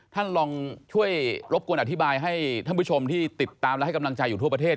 ท่านลองช่วยรบกวนอธิบายให้ท่านผู้ชมที่ติดตามและให้กำลังใจอยู่ทั่วประเทศ